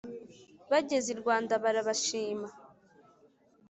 bageze i rwanda barabashima